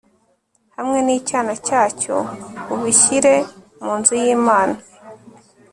hamwe n'icyana cyacyo ubishyire mu nzu y'imana